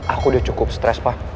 aku udah cukup stres pak